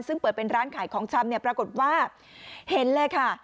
ซึ่งเปิดเป็นร้านขายของชำเนี่ยปรากฏว่าเห็นเลยค่ะ